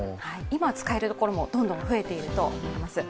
今は使える所もどんどん増えているといいます。